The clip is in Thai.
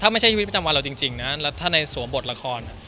ถ้าไม่ใช่ชีวิตประจำวันเราจริงนะแล้วถ้าในสวมบทละคร